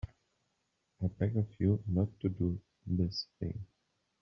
I beg of you not to do this thing.